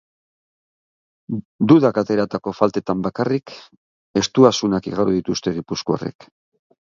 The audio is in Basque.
Dudak ateratako faltetan bakarrik estuasunak igaro dituzte gipuzkoarrek.